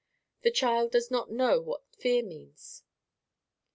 The child does not know what fear means."